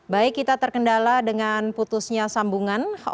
baik kita terkendala dengan putusnya sambungan